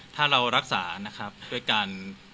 ถ้าเรารักษานะครับด้วยการ